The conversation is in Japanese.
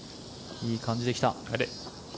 いい感じで来た。